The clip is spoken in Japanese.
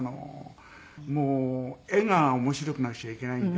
もう画が面白くなくちゃいけないんで。